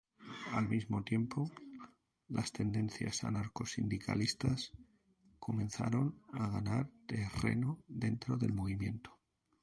Al mismo tiempo, las tendencias anarcosindicalistas comenzaron a ganar terreno dentro del movimiento.